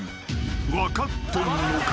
［分かってんのか？